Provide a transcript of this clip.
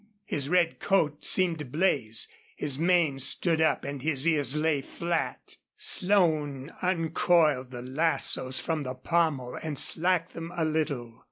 His red coat seemed to blaze. His mane stood up and his ears lay flat. Slone uncoiled the lassoes from the pommel and slacked them a little.